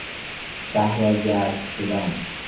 صحراگرد شدن